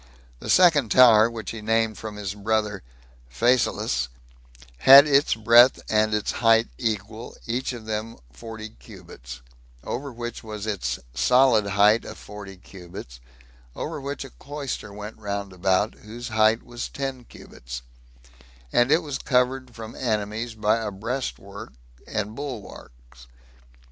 The second tower, which he named from his brother Phasaelus, had its breadth and its height equal, each of them forty cubits; over which was its solid height of forty cubits; over which a cloister went round about, whose height was ten cubits, and it was covered from enemies by breast works and bulwarks.